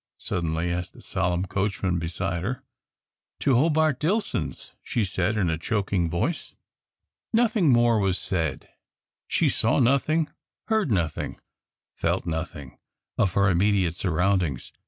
suddenly asked the solemn coachman beside her. "To Hobart Dillson's," she said, in a choking voice. Nothing more was said, she saw nothing, heard nothing, felt nothing of her immediate surroundings.